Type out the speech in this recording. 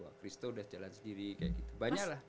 wah christo udah jalan sendiri kayak gitu banyak lah